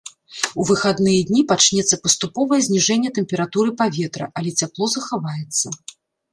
У выхадныя дні пачнецца паступовае зніжэнне тэмпературы паветра, але цяпло захаваецца.